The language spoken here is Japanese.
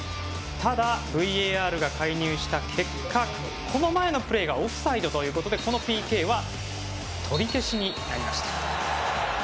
ただＶＡＲが介入した結果この前のプレーがオフサイドということでこのＰＫは取り消しになりました。